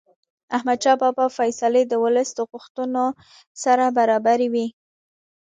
احمدشاه بابا فیصلې د ولس د غوښتنو سره برابرې وې.